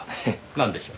なんでしょう？